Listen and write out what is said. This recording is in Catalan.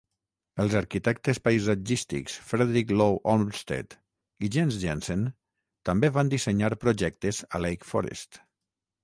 Els arquitectes paisatgístics Frederick Law Olmsted i Jens Jensen també van dissenyar projectes a Lake Forest.